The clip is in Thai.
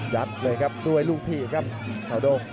จับเลยครับด้วยลูกผีครับเฮาโดง